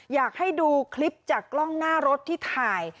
อยากให้ดูคลิปจากกล้องหน้ารถที่ถ่าย